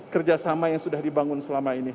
kerjasama yang sudah dibangun selama ini